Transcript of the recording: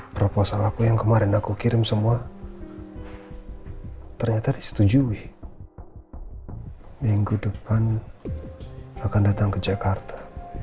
proposal aku yang kemarin aku kirim semua ternyata disetujui minggu depan akan datang ke jakarta